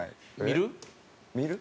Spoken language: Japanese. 見る？